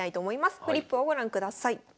フリップをご覧ください。